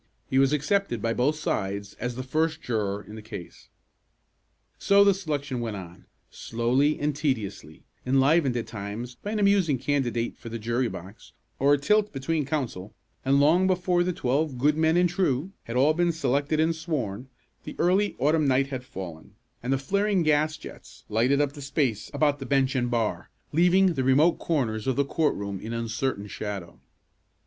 He was accepted by both sides as the first juror in the case. So the selection went on, slowly and tediously, enlivened at times by an amusing candidate for the jury box, or a tilt between counsel; and long before the "twelve good men and true" had all been selected and sworn, the early autumn night had fallen, and the flaring gas jets lighted up the space about the bench and bar, leaving the remote corners of the court room in uncertain shadow.